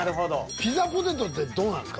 ピザポテトってどうなんですか？